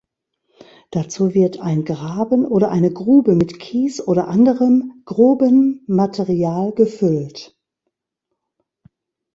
Dazu wird ein Graben oder eine Grube mit Kies oder anderem grobem Material gefüllt.